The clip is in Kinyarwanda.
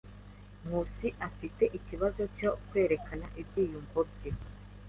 Nkusi afite ikibazo cyo kwerekana ibyiyumvo bye.